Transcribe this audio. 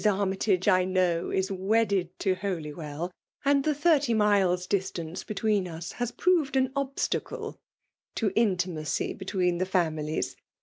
Annytage, I know, is wedded to Holywell, and the thirty miles* distance be tween us has proved an obstacle to intimacy b^ween the families.